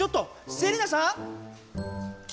セリナさん？